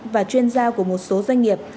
và chuyên gia của một số doanh nghiệp